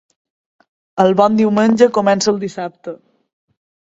El bon diumenge comença el dissabte.